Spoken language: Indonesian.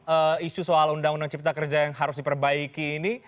ada isu soal undang undang cipta kerja yang harus diperbaiki ini